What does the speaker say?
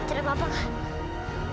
tidak apa apa kak